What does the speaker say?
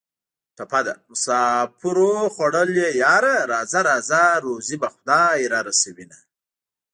ټپه ده: مسافرو خوړلیه یاره راځه راځه روزي به خدای را رسوینه